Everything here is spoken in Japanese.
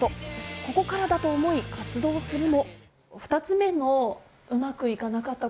ここからだと思い、活動するも。